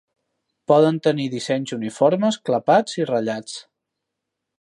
Poden tenir dissenys uniformes, clapats i ratllats.